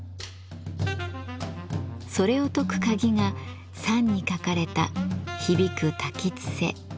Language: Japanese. それを解く鍵が賛に書かれた「ひびく瀧つせ」